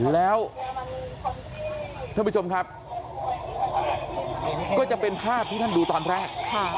แล้วท่านผู้ชมครับก็จะเป็นภาพที่ท่านดูตอนแรก